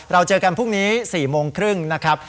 เราเจอกันพรุ่งนี้๔โมงครึ่งนะครับ